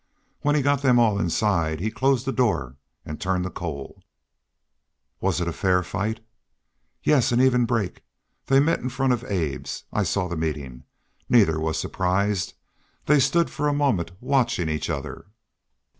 When he got them all inside he closed the door and turned to Cole. "Was it a fair fight?" "Yes, an even break. They met in front of Abe's. I saw the meeting. Neither was surprised. They stood for a moment watching each other.